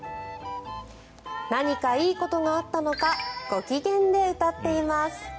何かいいことがあったのかご機嫌で歌っています。